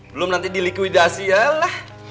belum nanti di likuidasi ya lah